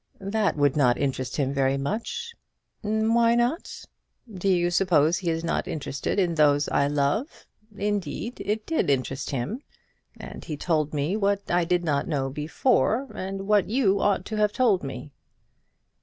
"That would not interest him very much." "Why not? Do you suppose he is not interested in those I love? Indeed, it did interest him; and he told me what I did not know before, and what you ought to have told me."